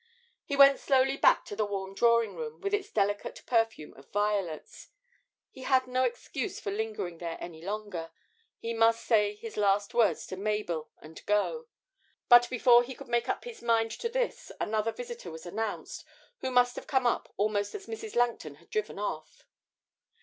He went slowly back to the warm drawing room, with its delicate perfume of violets. He had no excuse for lingering there any longer he must say his last words to Mabel and go. But before he could make up his mind to this another visitor was announced, who must have come up almost as Mrs. Langton had driven off.